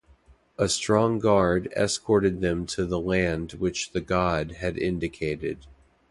A strong guard escorted them to the land which the god had indicated.